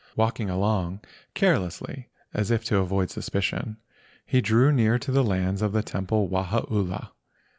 Walking along carelessly as if to avoid sus¬ picion, he drew near to the lands of the temple Wahaula.